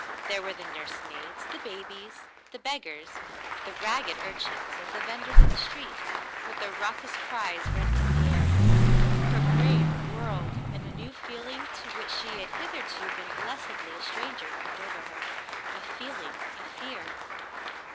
There were the nursemaids — the babies — the beggars — the ragged urchins and the venders of the street, with their raucous cries rending the air. Her brain whirled, and a new feel ing to which she had hitherto been blessedly a stranger crept over her, a feeling of fear.